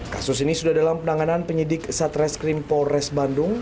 kasus ini sudah dalam penanganan penyidik satres krimpol res bandung